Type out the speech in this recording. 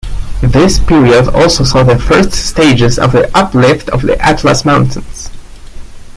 This period also saw the first stages of the uplift of the Atlas Mountains.